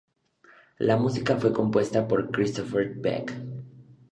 La música fue compuesta por Christophe Beck.